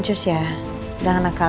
papa nggak bisa tergantikan om